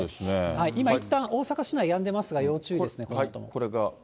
今、いったん大阪市内やんでますが、要注意ですね。